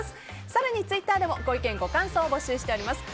更にツイッターでもご意見、ご感想を募集しています。